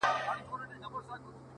o ستا خيال وفكر او يو څو خـــبـــري،